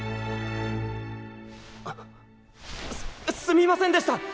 すすみませんでした。